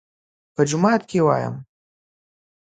_په جومات کې يې وايم.